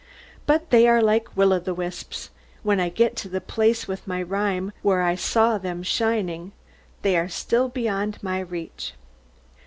But they are like will o' the wisps. When I get to the place with my rhyme, where I saw them shining, they are still beyond my reach.